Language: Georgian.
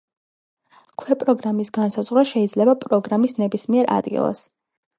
ქვეპროგრამის განსაზღვრა შეიძლება პროგრამის ნებისმიერ ადგილას.